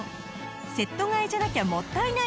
セット買いじゃなきゃもったいない！